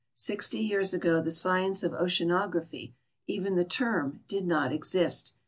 Sixty years ago the science of oceanography, even the term, did not exist.